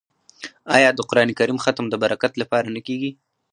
آیا د قران کریم ختم د برکت لپاره نه کیږي؟